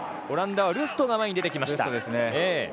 オランダはルストが前に出てきました。